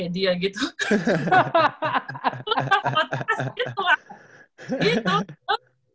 lepas lepas gitu lah